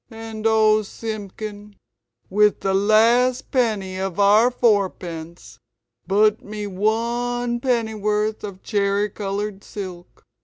And oh, Simpkin, with the last penny of our fourpence but me one penn'orth of cherry coloured silk.